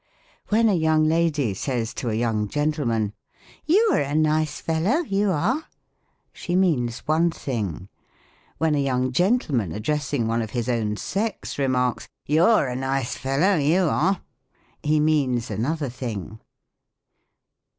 When a young lady says to a young gentlemen, " You are a nice fellow ; you are V — she means one thing. When a young gentleman, addressing one of his own sex, remarks, " You're a nice fellow ; you are ;"— he means another thing.